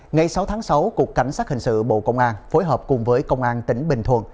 ngày sáu tháng sáu cục cảnh sát hình sự bộ công an phối hợp cùng với công an tỉnh bình thuận